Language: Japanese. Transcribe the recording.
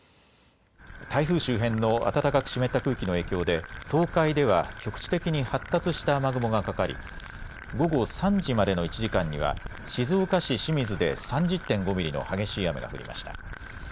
台風周辺の暖かく湿った空気の影響で、東海では局地的に発達した雨雲がかかり、午後３時までの１時間には、静岡市清水で３０．５ミリの激しい雨が降りました。